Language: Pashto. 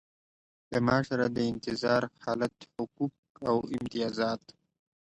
له معاش سره د انتظار حالت حقوق او امتیازات.